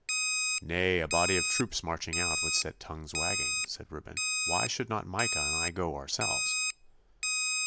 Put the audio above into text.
'Nay, a body of troops marching out would set tongues wagging,' said Reuben. 'Why should not Micah and I go ourselves?